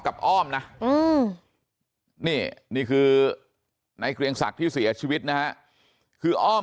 กับอ้อมนะนานี่คือในเกรียงสรรค์ที่เสียชีวิตนะคือกอล์ฟ